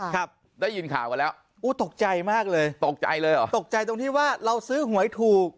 ครับได้ยินข่าวมาแล้วอู้ตกใจมากเลยตกใจเลยเหรอตกใจตรงที่ว่าเราซื้อหวยถูก